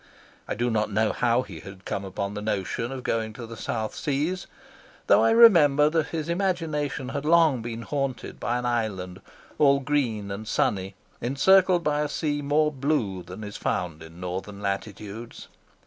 I do not know how he had come upon the notion of going to the South Seas, though I remember that his imagination had long been haunted by an island, all green and sunny, encircled by a sea more blue than is found in Northern latitudes.